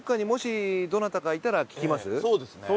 そうですね。